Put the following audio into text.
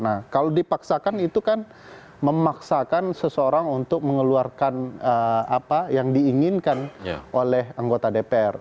nah kalau dipaksakan itu kan memaksakan seseorang untuk mengeluarkan apa yang diinginkan oleh anggota dpr